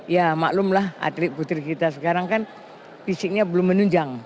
ya maklumlah atlet putri kita sekarang kan fisiknya belum menunjang